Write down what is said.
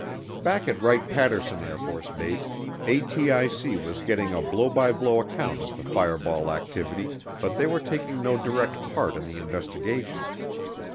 Back at Wright Patterson AFB, ATIC was getting a blow by blow account of the fireball activity but they were taking no direct part in the investigation.